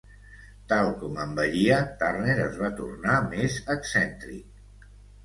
Tal com envellia, Turner es va tornar més excèntric.